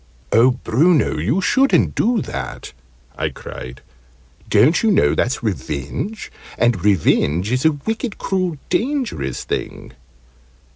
"Oh, Bruno, you shouldn't do that!" I cried. "Don't you know that's revenge? And revenge is a wicked, cruel, dangerous thing!"